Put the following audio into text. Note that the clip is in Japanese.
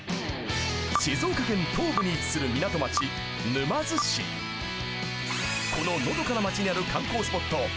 静岡県東部に位置する港町沼津市こののどかな町にある観光スポット